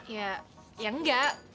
ya ya enggak